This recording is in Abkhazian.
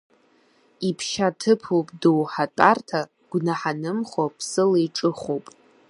Иԥшьа ҭыԥуп доуҳа тәарҭа, гәнаҳа нымхо ԥсыла иҿыхуп.